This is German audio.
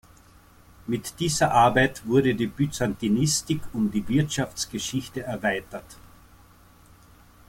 Mit dieser Arbeit wurde die Byzantinistik um die Wirtschaftsgeschichte erweitert.